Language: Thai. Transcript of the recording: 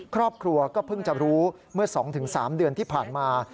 ครอบครัวก็เพิ่งจะรู้เมื่อ๒๓เดือนที่ผ่านมา